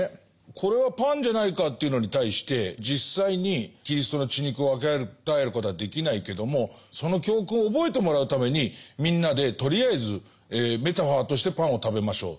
「これはパンじゃないか」というのに対して「実際にキリストの血肉を分け与えることはできないけどもその教訓を覚えてもらうためにみんなでとりあえずメタファーとしてパンを食べましょう」。